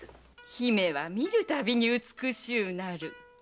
姫は見るたびに美しゅうなる。